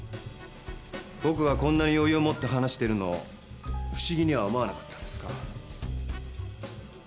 僕がこんなに余裕を持って話しているのを不思議には思わなかったんですか？